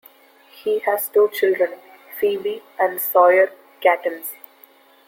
He has two children, Phoebe and Sawyer Katims.